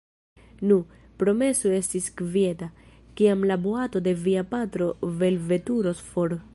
Nu, promesu esti kvieta, kiam la boato de via patro velveturos for.